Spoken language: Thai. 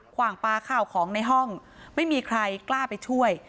ขวางปลาข้าวของในห้องไม่มีใครกล้าไปช่วย